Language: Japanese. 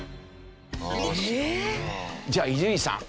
じゃあ伊集院さん。